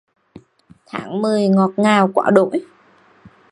Tháng mười ngọt ngào quá đỗi